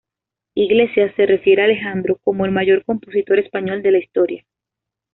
Iglesias se refiere a Alejandro como el "mayor compositor español de la historia".